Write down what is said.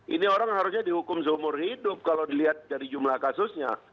ini orang harusnya dihukum seumur hidup kalau dilihat dari jumlah kasusnya